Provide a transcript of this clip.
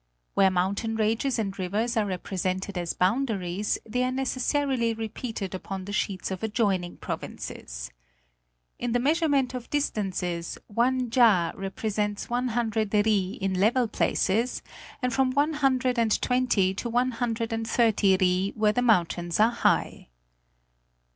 Where mountain ranges and rivers are represented as boundaries, they are necessarily re peated upon the sheets of adjoining provinces. In the measure ment of distances one ja represents one hundred ri in level places, and from one hundred and twenty to one hundred and thirty rl where the mountains are high."